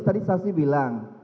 tadi saksi bilang